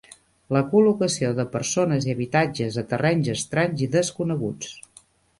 La col·locació de persones i habitatges a terrenys estranys i desconeguts.